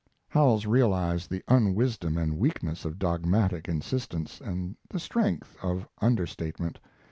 Howells realized the unwisdom and weakness of dogmatic insistence, and the strength of understatement.